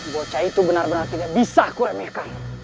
bocah itu benar benar tidak bisa aku remehkan